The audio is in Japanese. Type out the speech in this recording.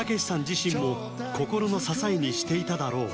自身も心の支えにしていただろう